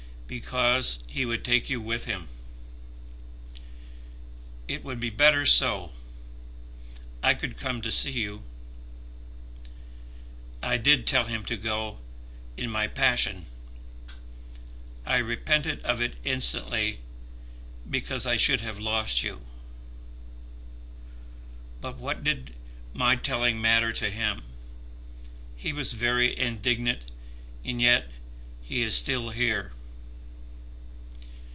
"Because he would take you with him." "It would be better so. I could come to see you." "I did tell him to go, in my passion. I repented of it instantly, because I should have lost you. But what did my telling matter to him? He was very indignant, and yet he is still here."